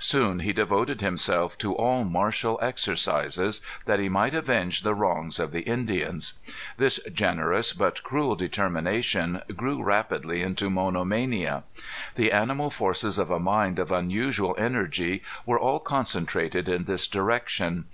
Soon he devoted himself to all martial exercises, that he might avenge the wrongs of the Indians. This generous but cruel determination grew rapidly into monomania. The animal forces of a mind of unusual energy were all concentrated in this direction.